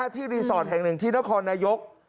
รีสอร์ทแห่งหนึ่งที่นครนายก